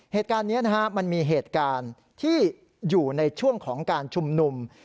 เหตุการณ์นี้มันมีเหตุการณ์ที่อยู่ในช่วงของการชุมนุม